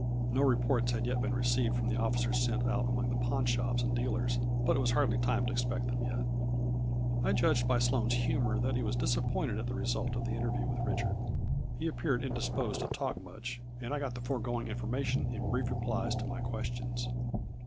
No reports had yet been received from the officers sent out among the pawnshops and dealers, but it was hardly time to expect them yet. I judged by Sloane's humor that he was dis appointed at the result of the interview with Richard. He appeared indisposed to talk much, and I got the foregoing information in brief re plies to my questions.